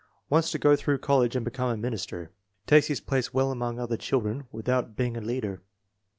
Wants to go through college and become a minister. Takes his place well among other children without being a leader.